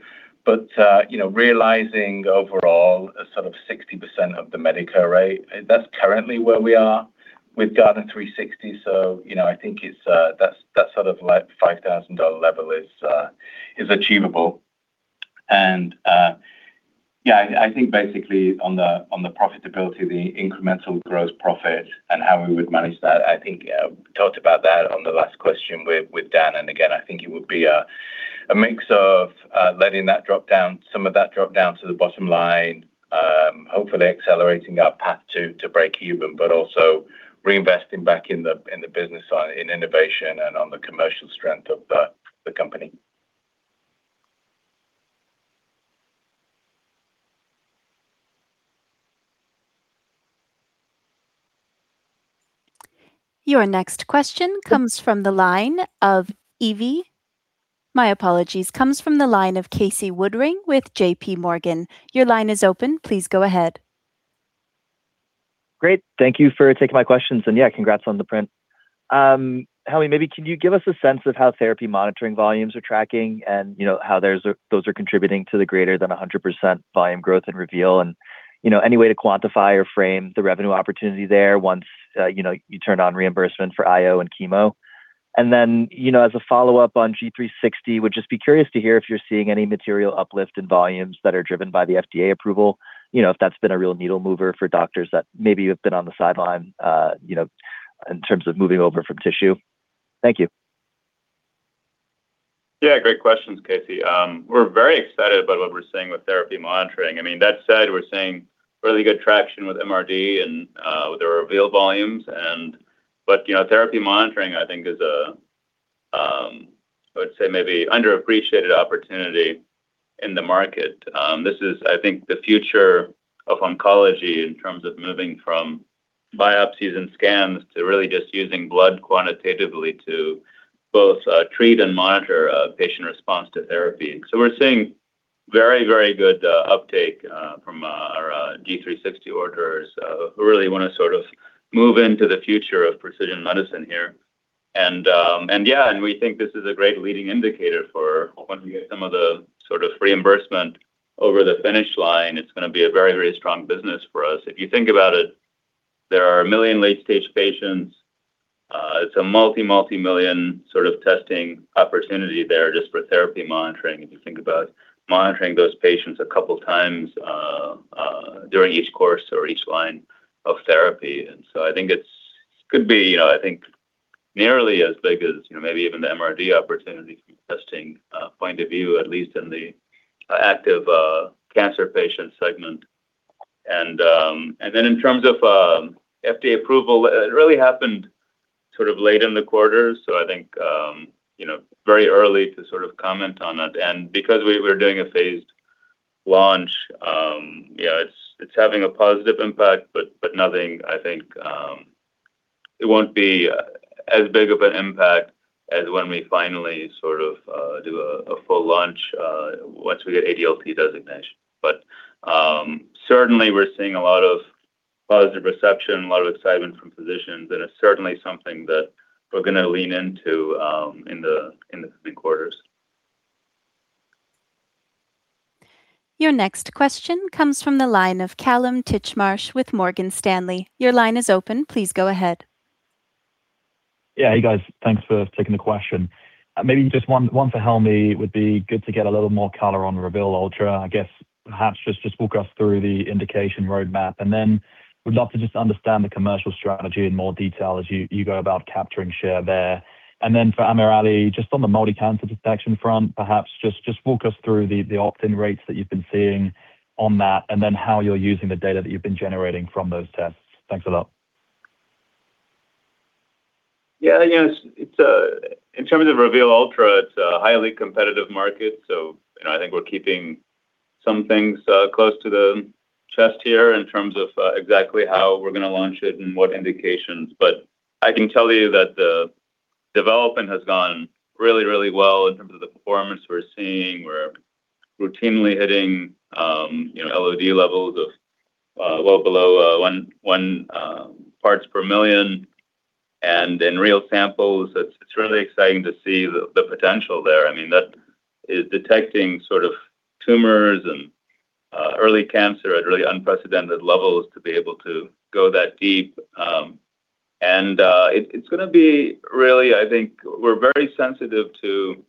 Realizing overall Sort of 60% of the Medicare rate. That's currently where we are with Guardant360. I think that sort of $5,000 level is achievable. Yeah, I think basically on the profitability, the incremental gross profit and how we would manage that, I think we talked about that on the last question with Dan. Again, I think it would be a mix of letting some of that drop down to the bottom line, hopefully accelerating our path to break even, but also reinvesting back in the business in innovation and on the commercial strength of the company. Your next question comes from the line of Evie. My apologies, comes from the line of Casey Woodring with JPMorgan. Your line is open. Please go ahead. Great. Thank you for taking my questions. Yeah, congrats on the print. Helmy, maybe could you give us a sense of how therapy monitoring volumes are tracking and how those are contributing to the greater than 100% volume growth in Reveal? Any way to quantify or frame the revenue opportunity there once you turn on reimbursement for IO and chemo? As a follow-up on G360, would just be curious to hear if you're seeing any material uplift in volumes that are driven by the FDA approval, if that's been a real needle mover for doctors that maybe have been on the sideline in terms of moving over from tissue. Thank you. Great questions, Casey. We're very excited by what we're seeing with therapy monitoring. We're seeing really good traction with MRD and with the Reveal volumes. Therapy monitoring is an underappreciated opportunity in the market. This is the future of oncology in terms of moving from biopsies and scans to really just using blood quantitatively to both treat and monitor patient response to therapy. We're seeing very, very good uptake from our Guardant360 orders who really want to move into the future of precision medicine here. We think this is a great leading indicator for once we get some of the reimbursement over the finish line, it's going to be a very, very strong business for us. If you think about it, there are 1 million late-stage patients. It's a multi-multi-million testing opportunity there just for therapy monitoring, if you think about monitoring those patients a couple times during each course or each line of therapy. It could be nearly as big as the MRD opportunity from testing point of view, at least in the active cancer patient segment. In terms of FDA approval, it really happened late in the quarter, very early to comment on it. Because we're doing a phased launch, it's having a positive impact, but it won't be as big of an impact as when we finally do a full launch once we get ADLT designation. Certainly, we're seeing a lot of positive reception, a lot of excitement from physicians, and it's certainly something that we're going to lean into in the coming quarters. Your next question comes from the line of Kallum Titchmarsh with Morgan Stanley. Your line is open. Please go ahead. Yeah. Hey, guys. Thanks for taking the question. Maybe just one for Helmy, would be good to get a little more color on Reveal Ultra. Perhaps just walk us through the indication roadmap, and would love to just understand the commercial strategy in more detail as you go about capturing share there. For AmirAli, just on the multi-cancer detection front, perhaps just walk us through the opt-in rates that you've been seeing on that, and how you're using the data that you've been generating from those tests. Thanks a lot. Yeah. In terms of Reveal Ultra, it's a highly competitive market. I think we're keeping some things close to the chest here in terms of exactly how we're going to launch it and what indications. I can tell you that the development has gone really, really well in terms of the performance we're seeing. We're routinely hitting LOD levels of well below one parts per million, and in real samples, it's really exciting to see the potential there. That is detecting sort of tumors and early cancer at really unprecedented levels to be able to go that deep. It's going to be really, I think, we're very sensitive to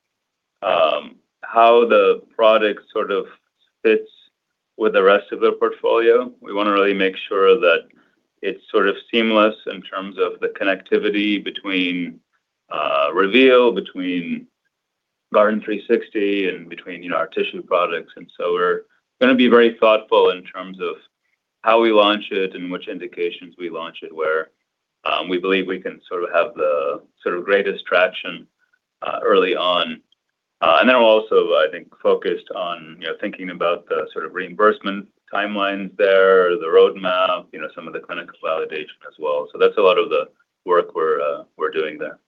how the product sort of fits with the rest of the portfolio. We want to really make sure that it's sort of seamless in terms of the connectivity between Reveal, between Guardant360 and between our tissue products. We're going to be very thoughtful in terms of how we launch it and which indications we launch it, where we believe we can sort of have the greatest traction early on. We're also, I think, focused on thinking about the sort of reimbursement timelines there, the roadmap, some of the clinical validation as well. That's a lot of the work we're doing there.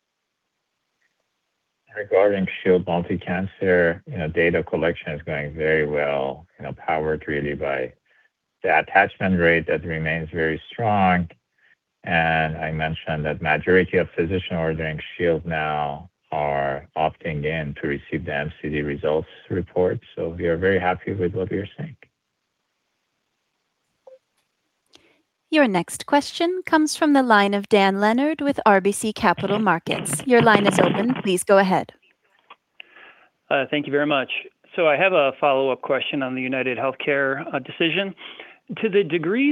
Regarding Shield multi-cancer, data collection is going very well, powered really by the attachment rate that remains very strong. I mentioned that majority of physician ordering Shield now are opting in to receive the MCD results report. We are very happy with what we are seeing. Your next question comes from the line of Dan Leonard with RBC Capital Markets. Your line is open. Please go ahead. Thank you very much. I have a follow-up question on the UnitedHealthcare decision. AmirAli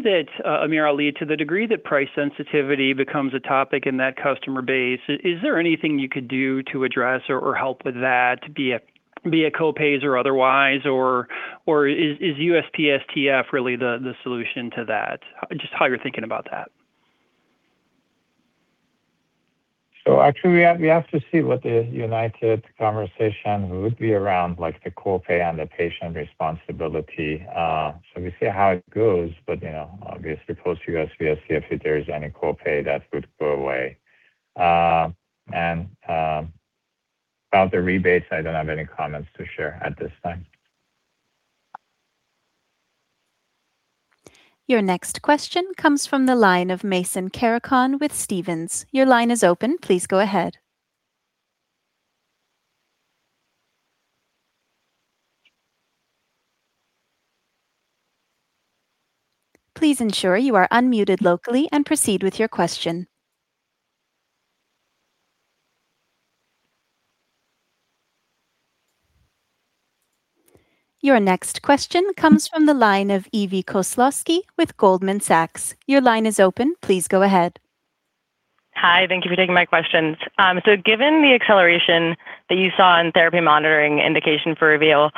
Talasaz, to the degree that price sensitivity becomes a topic in that customer base, is there anything you could do to address or help with that, be it co-pays or otherwise, or is USPSTF really the solution to that? Just how you're thinking about that. Actually, we have to see what the United conversation would be around the co-pay and the patient responsibility. We see how it goes, but obviously post-USPSTF, if there's any co-pay, that would go away. About the rebates, I don't have any comments to share at this time. Your next question comes from the line of Mason Carrico with Stephens. Your line is open. Please go ahead. Please ensure you are unmuted locally and proceed with your question. Your next question comes from the line of Evie Koslosky with Goldman Sachs. Your line is open. Please go ahead. Hi, thank you for taking my questions. Given the acceleration that you saw in therapy monitoring indication for Guardant Reveal,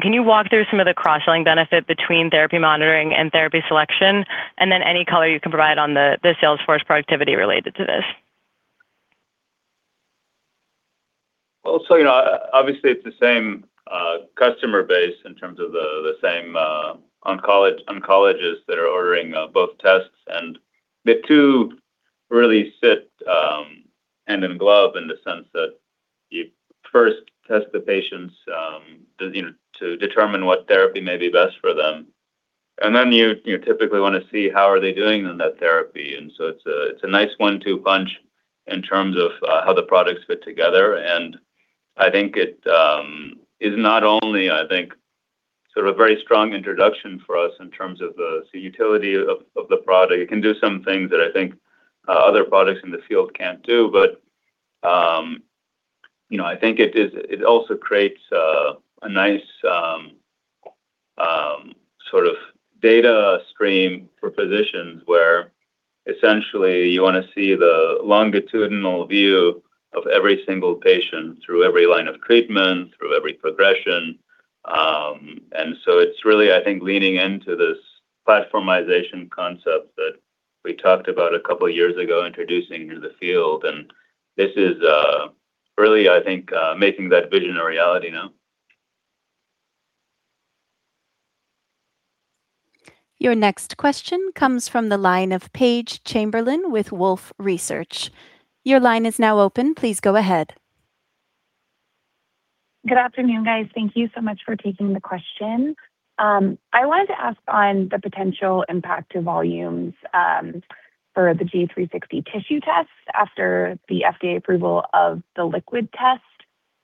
can you walk through some of the cross-selling benefit between therapy monitoring and therapy selection, and then any color you can provide on the Salesforce productivity related to this? Obviously it's the same customer base in terms of the same oncologists that are ordering both tests, the two really fit hand in glove in the sense that you first test the patients to determine what therapy may be best for them, and then you typically want to see how are they doing on that therapy. It's a nice one-two punch in terms of how the products fit together, and I think it is not only, sort of very strong introduction for us in terms of the utility of the product. It can do some things that I think other products in the field can't do. I think it also creates a nice sort of data stream for physicians where essentially you want to see the longitudinal view of every single patient through every line of treatment, through every progression. It's really leaning into this platformization concept that we talked about a couple of years ago, introducing to the field, this is really making that vision a reality now. Your next question comes from the line of Paige Chamberlain with Wolfe Research. Your line is now open. Please go ahead. Good afternoon, guys. Thank you so much for taking the question. I wanted to ask on the potential impact to volumes for the Guardant360 Tissue test after the FDA approval of the liquid test.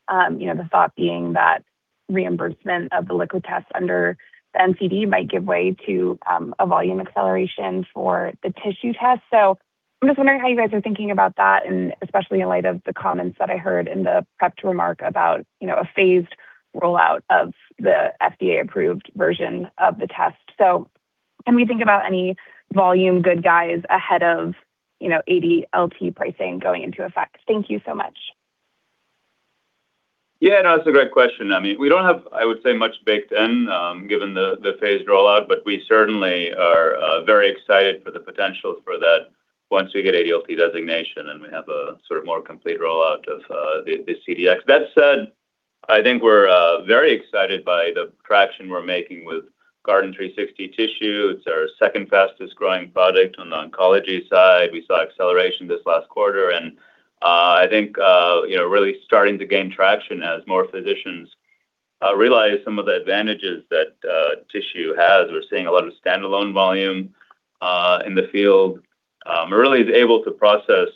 The thought being that reimbursement of the liquid test under the NCD might give way to a volume acceleration for the tissue test. I'm just wondering how you guys are thinking about that, and especially in light of the comments that I heard in the prep remark about a phased rollout of the FDA-approved version of the test. Can we think about any volume good guys ahead of ADLT pricing going into effect? Thank you so much. Yeah, no, that's a great question. I mean, we don't have, I would say, much baked in, given the phased rollout, but we certainly are very excited for the potential for that once we get ADLT designation and we have a sort of more complete rollout of the CDx. That said, I think we're very excited by the traction we're making with Guardant360 Tissue. It's our second fastest growing product on the oncology side. We saw acceleration this last quarter, and I think really starting to gain traction as more physicians realize some of the advantages that tissue has. We're seeing a lot of standalone volume in the field. We're really able to process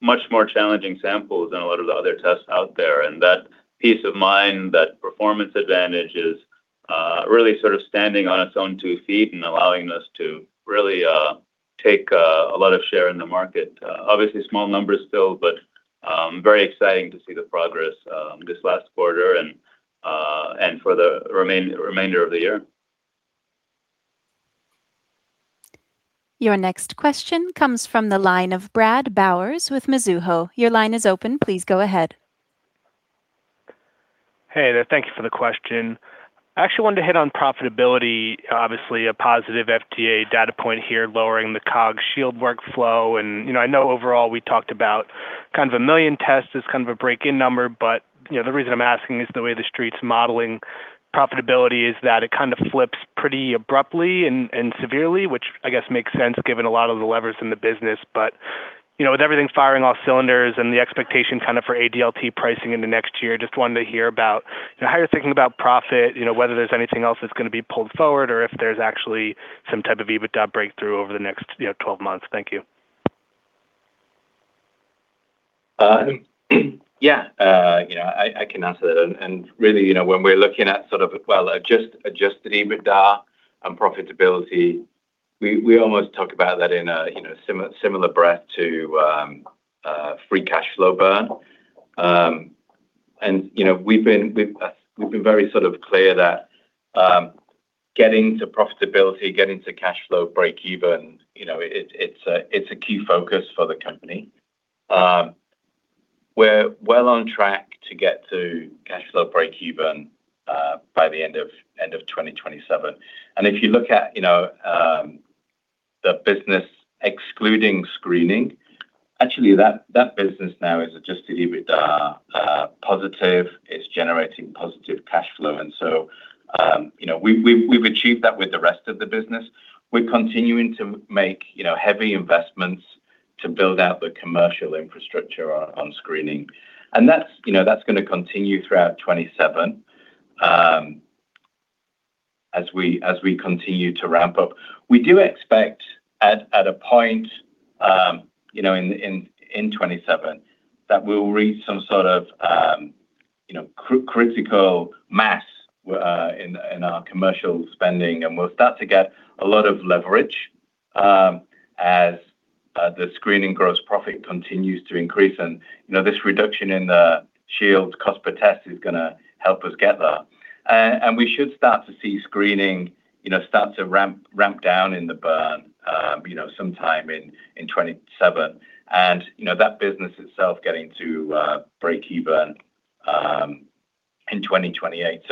much more challenging samples than a lot of the other tests out there. That peace of mind, that performance advantage is really sort of standing on its own two feet and allowing us to really take a lot of share in the market. Obviously small numbers still, but very exciting to see the progress this last quarter and for the remainder of the year. Your next question comes from the line of Brad Bowers with Mizuho. Your line is open. Please go ahead. Hey there. Thank you for the question. I actually wanted to hit on profitability. Obviously, a positive FDA data point here, lowering the COGS Shield workflow, and I know overall we talked about kind of a million tests as kind of a break-in number. The reason I'm asking is the way the Street's modeling profitability is that it kind of flips pretty abruptly and severely, which I guess makes sense given a lot of the levers in the business. With everything firing off cylinders and the expectation for ADLT pricing in the next year, just wanted to hear about how you're thinking about profit, whether there's anything else that's going to be pulled forward, or if there's actually some type of EBITDA breakthrough over the next 12 months. Thank you. Yeah. I can answer that. Really, when we're looking at adjusted EBITDA and profitability, we almost talk about that in a similar breath to free cash flow burn. We've been very clear that getting to profitability, getting to cash flow breakeven, it's a key focus for the company. We're well on track to get to cash flow breakeven by the end of 2027. If you look at the business excluding screening, actually that business now is adjusted EBITDA positive. It's generating positive cash flow, and so we've achieved that with the rest of the business. We're continuing to make heavy investments to build out the commercial infrastructure on screening. That's going to continue throughout 2027 as we continue to ramp up. We do expect at a point in 2027 that we'll reach some sort of critical mass in our commercial spending, and we'll start to get a lot of leverage as the screening gross profit continues to increase. This reduction in the Shield cost per test is going to help us get there. We should start to see screening start to ramp down in the burn sometime in 2027. That business itself getting to breakeven in 2028.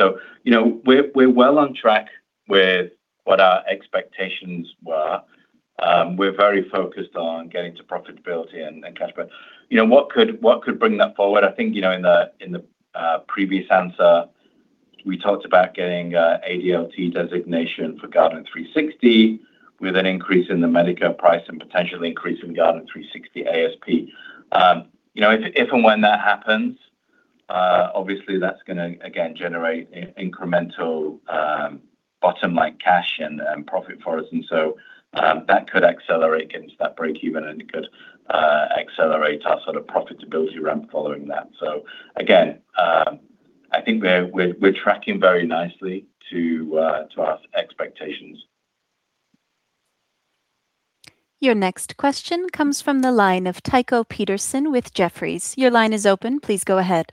We're well on track with what our expectations were. We're very focused on getting to profitability and cash flow. What could bring that forward? I think in the previous answer, we talked about getting ADLT designation for Guardant360 with an increase in the Medicare price and potential increase in Guardant360 ASP. If and when that happens, obviously that's going to, again, generate incremental bottom-line cash and profit for us. That could accelerate against that breakeven, and it could accelerate our profitability ramp following that. Again, I think we're tracking very nicely to our expectations. Your next question comes from the line of Tycho Peterson with Jefferies. Your line is open. Please go ahead.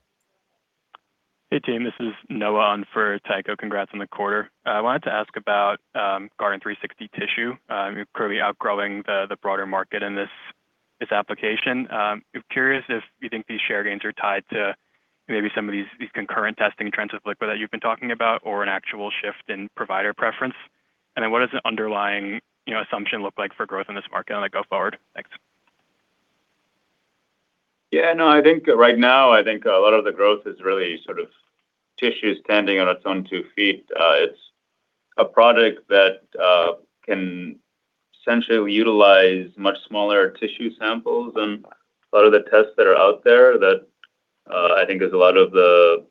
Hey, team, this is Noah on for Tycho. Congrats on the quarter. I wanted to ask about Guardant360 Tissue. You're clearly outgrowing the broader market in this application. I'm curious if you think these share gains are tied to maybe some of these concurrent testing trends with liquid that you've been talking about, or an actual shift in provider preference. What does the underlying assumption look like for growth in this market going forward? Thanks. Yeah. No, right now, I think a lot of the growth is really tissue standing on its own two feet. It's a product that can essentially utilize much smaller tissue samples than a lot of the tests that are out there that I think is a lot of the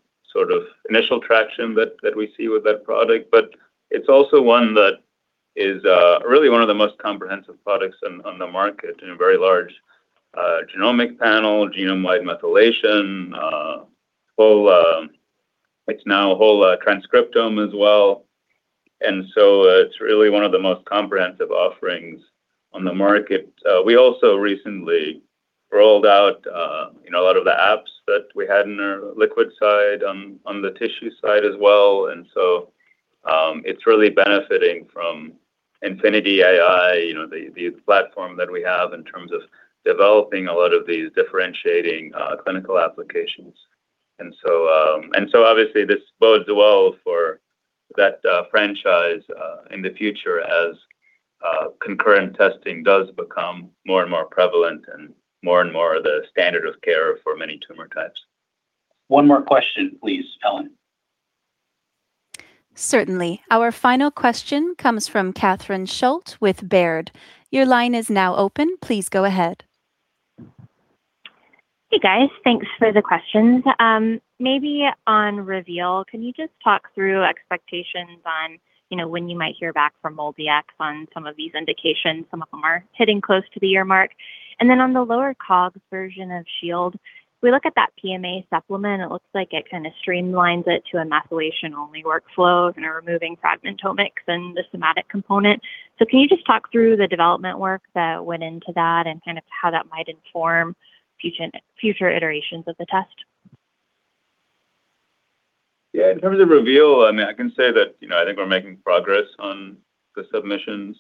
initial traction that we see with that product. It's also one that is really one of the most comprehensive products on the market in a very large genomic panel, genome-wide methylation. It's now whole transcriptome as well, it's really one of the most comprehensive offerings on the market. We also recently rolled out a lot of the apps that we had in our liquid side on the tissue side as well. It's really benefiting from InfinityAI, the platform that we have in terms of developing a lot of these differentiating clinical applications. Obviously, this bodes well for that franchise in the future as concurrent testing does become more and more prevalent and more and more the standard of care for many tumor types. One more question, please, Ellen. Certainly. Our final question comes from Catherine Schulte with Baird. Your line is now open. Please go ahead. Hey, guys. Thanks for the questions. Maybe on Reveal, can you just talk through expectations on when you might hear back from MolDx on some of these indications? Some of them are hitting close to the year mark. On the lower cog version of Shield, we look at that PMA supplement, it looks like it kind of streamlines it to a methylation-only workflow, kind of removing fragmentomics and the somatic component. Can you just talk through the development work that went into that and how that might inform future iterations of the test? Yeah. In terms of Reveal, I can say that I think we're making progress on the submissions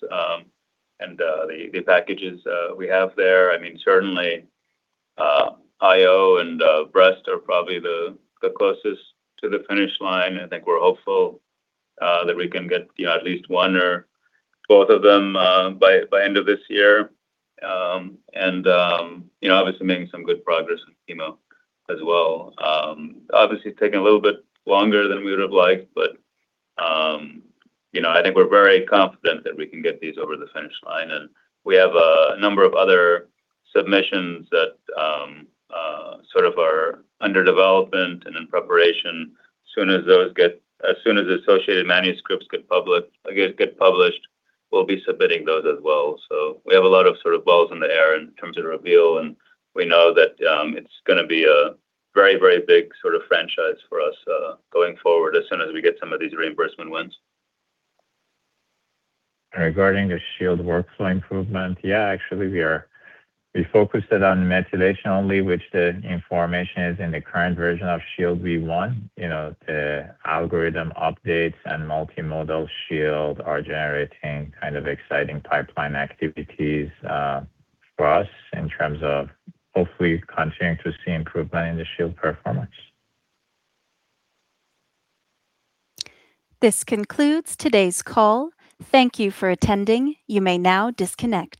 and the packages we have there. Certainly IO and breast are probably the closest to the finish line. I think we're hopeful that we can get at least one or both of them by end of this year. Obviously making some good progress in chemo as well. Obviously taking a little bit longer than we would've liked, but I think we're very confident that we can get these over the finish line. We have a number of other submissions that are under development and in preparation. As soon as associated manuscripts get published, we'll be submitting those as well. We have a lot of balls in the air in terms of Reveal. We know that it's going to be a very big franchise for us going forward as soon as we get some of these reimbursement wins. Regarding the Shield workflow improvement, actually we focused it on methylation only, which the information is in the current version of Shield V1. The algorithm updates and multimodal Shield are generating exciting pipeline activities for us in terms of hopefully continuing to see improvement in the Shield performance. This concludes today's call. Thank you for attending. You may now disconnect.